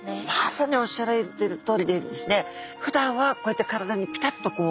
まさにおっしゃられてるとおりですねふだんはこうやって体にピタッと。